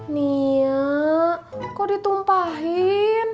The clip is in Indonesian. nia kok ditumpahin